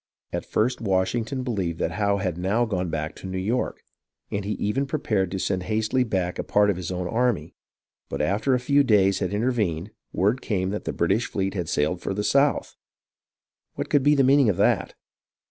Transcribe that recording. At first Washington believed that Howe had now gone back to New York, and he even prepared to send hastily back a part of his own army ; but after a few days had intervened, word came that the British fleet had sailed for the south. What could be the meaning of that